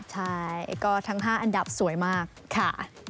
ใช่ก็ทั้ง๕อันดับสวยมากค่ะ